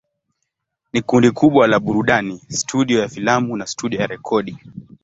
Ni kundi kubwa la burudani, studio ya filamu na studio ya rekodi.